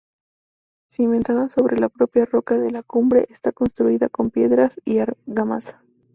Cimentada sobre la propia roca de la cumbre, está construida con piedras y argamasa.